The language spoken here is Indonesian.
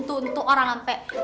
untuk orang nanti